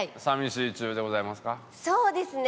そうですね。